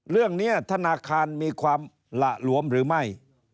เรื่องนี้ธนาคารมีความหละหลวมหรือไม่